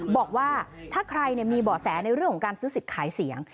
บอกว่าถ้าใครมีเบาะแสในเรื่องของการซื้อสิทธิ์ขายเสียง